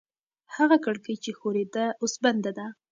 هغه کړکۍ چې ښورېده اوس بنده ده.